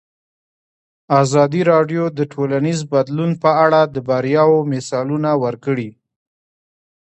ازادي راډیو د ټولنیز بدلون په اړه د بریاوو مثالونه ورکړي.